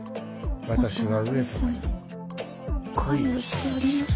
私は上様に恋をしておりましたよ。